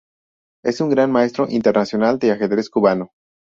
Es un Gran Maestro Internacional de ajedrez cubano.